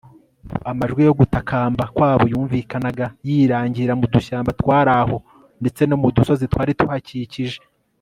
amajwi yo gutakamba kwabo yumvikanaga yirangira mu dushyamba twari aho ndetse no mu dusozi twari tuhakikije